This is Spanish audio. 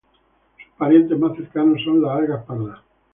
Sus parientes más cercanos son las algas pardas.